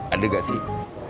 ada gak sih